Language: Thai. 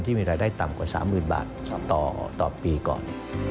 ที่มีรายได้ต่ำกว่า๓๐๐๐บาทต่อปีก่อน